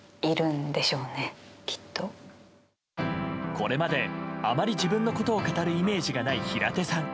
これまで、あまり自分のことを語るイメージがない平手さん